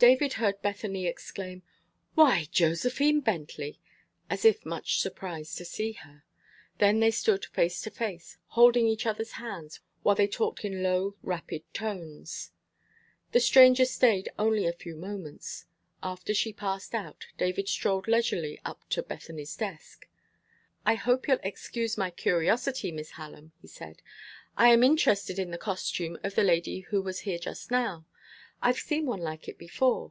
David heard Bethany exclaim, "Why, Josephine Bentley!" as if much surprised to see her. Then they stood face to face, holding each other's hands while they talked in low, rapid tones. The stranger staid only a few moments. After she passed out, David strolled leisurely up to Bethany's desk. "I hope you'll excuse my curiosity, Miss Hallam," he said. "I am interested in the costume of the lady who was here just now. I've seen one like it before.